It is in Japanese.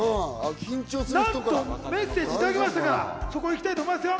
なんとメッセージいただきましたから、そこも行きたいと思いますよ。